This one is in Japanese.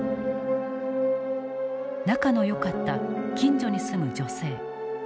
仲の良かった近所に住む女性。